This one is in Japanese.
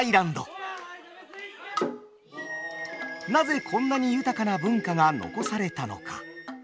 なぜこんなに豊かな文化が残されたのか？